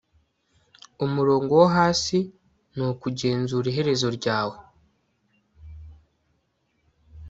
umurongo wo hasi ni ukugenzura iherezo ryawe